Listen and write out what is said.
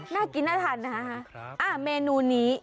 น่ากินน่าทานนะฮะเมนูนี้